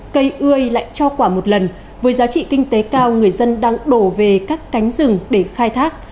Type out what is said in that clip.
cây ươi lại cho quả một lần với giá trị kinh tế cao người dân đang đổ về các cánh rừng để khai thác